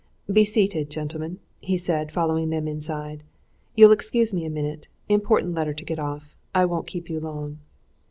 "Be seated, gentlemen," he said, following them inside. "You'll excuse me a minute important letter to get off I won't keep you long."